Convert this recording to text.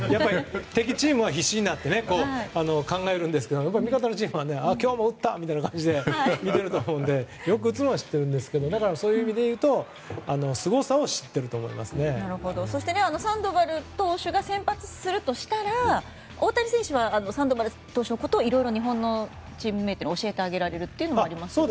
敵チームは必死になって考えるんですけど味方のチームなので今日も打ったなぐらいに見ていると思うのでよく打つのは知っているんですけどだからそういう意味でいうとそして、サンドバル投手が先発するとしたら、大谷選手はサンドバル投手のことを日本のチームメートに教えられるというのもありますね。